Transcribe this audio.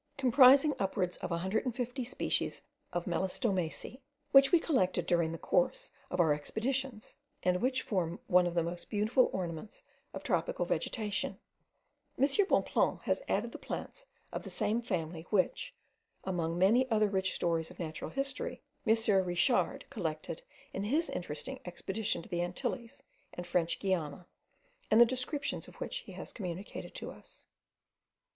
Comprising upwards of a hundred and fifty species of melastomaceae, which we collected during the course of our expeditions, and which form one of the most beautiful ornaments of tropical vegetation. M. Bonpland has added the plants of the same family, which, among many other rich stores of natural history, M. Richard collected in his interesting expedition to the Antilles and French Guiana, and the descriptions of which he has communicated to us.